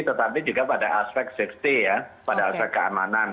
tetapi juga pada aspek safety ya pada aspek keamanan